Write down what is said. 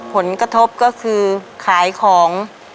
ผลกระทบก็คือขายของ